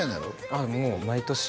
あっもう毎年